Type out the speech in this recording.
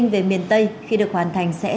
về miền tây khi được hoàn thành sẽ